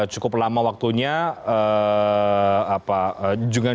cukup lama waktunya